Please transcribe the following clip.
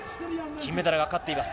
金メダルがかかっています。